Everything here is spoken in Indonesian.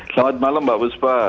selamat malam mbak buspa